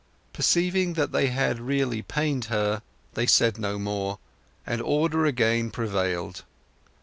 Perceiving that they had really pained her they said no more, and order again prevailed.